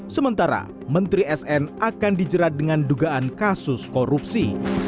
sementara menteri sn akan dijerat dengan dugaan kasus korupsi